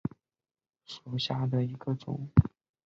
日本粗叶木为茜草科粗叶木属下的一个种。